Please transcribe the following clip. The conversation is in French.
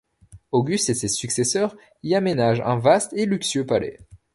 Auguste et ses successeurs y aménagent un vaste et luxueux palais.